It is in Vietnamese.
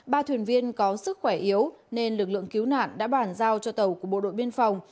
ba thuyền viên có sức khỏe yếu nên lực lượng cứu nạn đã bàn giao cho tàu của bộ đội biên phòng